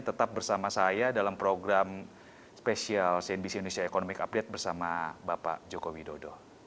tetap bersama saya dalam program spesial cnbc indonesia economic update bersama bapak joko widodo